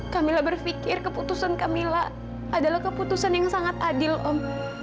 kamila berpikir keputusan kamila adalah keputusan yang sangat adil om